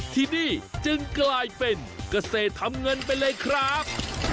ที่นี่จึงกลายเป็นเกษตรทำเงินไปเลยครับ